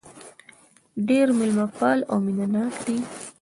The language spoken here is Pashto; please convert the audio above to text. ډېر مېلمه پال او مينه ناک دي.